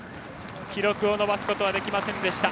記録を伸ばすことはできませんでした。